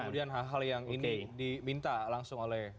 kemudian hal hal yang ini diminta langsung oleh